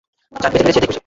যাক, বেঁচে ফিরেছ এতেই খুশি।